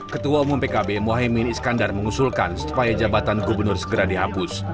ketua umum pkb mohaimin iskandar mengusulkan supaya jabatan gubernur segera dihapus